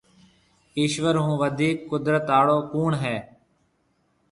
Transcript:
ايشوَر هون وڌيڪ قُدرت آݪو ڪوُڻ هيَ۔